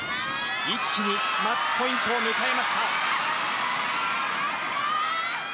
一気にマッチポイントを迎えました。